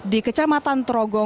di kecamatan trogon